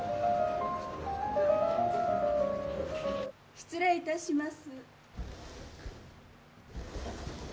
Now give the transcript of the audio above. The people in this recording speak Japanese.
失礼いたします。